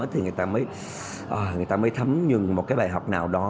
thì người ta mới thấm nhuận một cái bài học nào đó